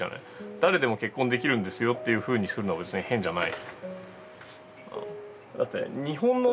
誰でも結婚できるんですよっていうふうにするのは別に変じゃない。